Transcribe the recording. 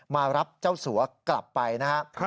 มารับเจ้าสัวกลับไปนะครับ